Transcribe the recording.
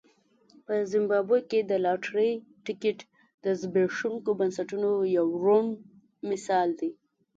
په زیمبابوې کې د لاټرۍ ټکټ د زبېښونکو بنسټونو یو روڼ مثال دی.